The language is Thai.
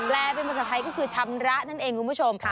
เป็นภาษาไทยก็คือชำระนั่นเองคุณผู้ชม